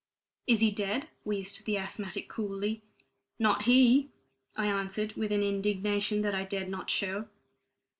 "Is he dead?" wheezed the asthmatic coolly. "Not he," I answered, with an indignation that I dared not show.